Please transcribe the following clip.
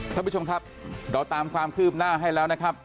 ท่านผู้ชมครับเราตามความคืบหน้าให้แล้วนะครับ